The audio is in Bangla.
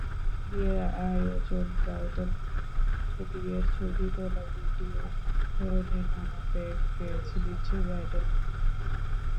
বিয়ের আয়োজনব্রাইডাল মোমেন্টবিয়ের ছবি তোলা, ভিডিও ধারণের নানা প্যাকেজ দিচ্ছে ব্রাইডাল মোমেন্ট।